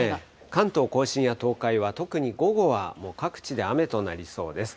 関東甲信や東海は特に午後は各地で雨となりそうです。